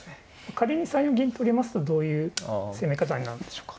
仮に３四銀取りますとどういう攻め方になるんでしょうか。